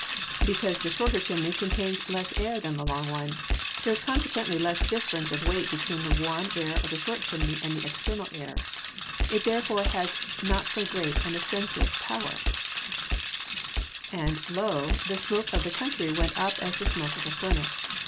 _ Because the short chimney contains less air than the long one; there is, consequently, less difference of weight between the warm air of the short chimney and the external air; it therefore has not so great an ascensive power. [Verse: "And, lo, the smoke of the country went up as the smoke of a furnace."